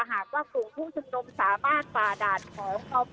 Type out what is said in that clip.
หากว่าภูมิผู้จงดมสามารถป่าด่านของข้อมศาล